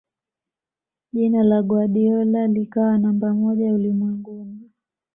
jina la guardiola likawa namba moja ulimwenguni